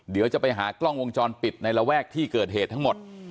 เดี๋ยวจะไปหากล้องวงจรปิดในระแวกที่เกิดเหตุทั้งหมด